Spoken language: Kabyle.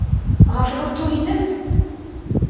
Ɣef lutu-inem?